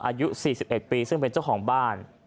อายุ๔๑ปีซึ่งเป็นเจ้าของบ้าน